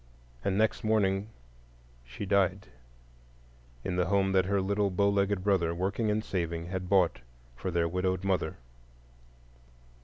And next morning she died in the home that her little bow legged brother, working and saving, had bought for their widowed mother.